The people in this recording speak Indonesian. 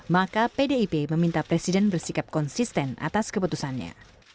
maka pdip meminta presiden bersikap konsisten atas keputusannya